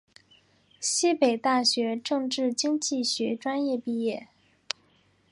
西北大学政治经济学专业毕业。